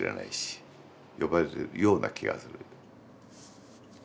呼ばれてるような気がする。